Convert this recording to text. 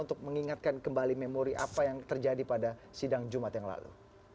untuk mengingatkan kembali memori apa yang terjadi pada sidang jumat yang lalu